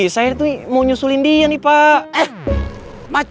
saya itu mau nyusulin dia nih pak